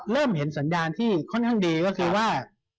เริ่มเห็นสัญญาณที่ค่อนข้างดีก็คือว่า